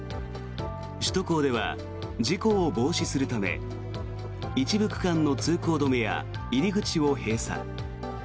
首都高では事故を防止するため一部区間の通行止めや入り口を閉鎖。